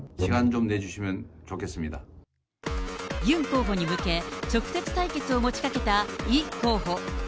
ユン候補に向け、直接対決を持ちかけたイ候補。